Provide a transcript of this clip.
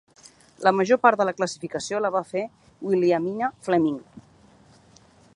La major part de la classificació la va fer Williamina Fleming.